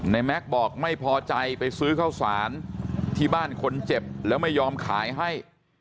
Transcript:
แม็กซ์บอกไม่พอใจไปซื้อข้าวสารที่บ้านคนเจ็บแล้วไม่ยอมขายให้